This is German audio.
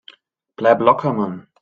Bleib locker, Mann!